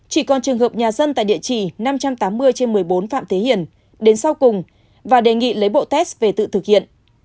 chỉ còn trường hợp nhà dân tại địa chỉ năm trăm tám mươi trên một mươi bốn phạm thế hiển đến sau cùng và đề nghị lấy bộ test về tự thực hiện